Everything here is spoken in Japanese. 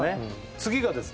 次がですね